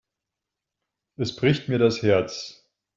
Es bricht mir das Herz.